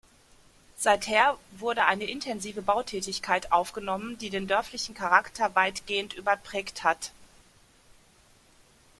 Seither wurde eine intensive Bautätigkeit aufgenommen, die den dörflichen Charakter weitgehend überprägt hat.